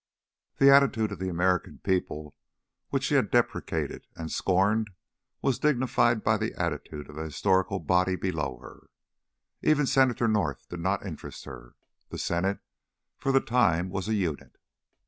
The attitude of the American people which she had deprecated and scorned was dignified by the attitude of that historical body below her. Even Senator North did not interest her. The Senate for the time was a unit.